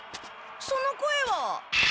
その声は。